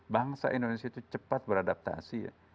bangsa indonesia itu cepat beradaptasi ya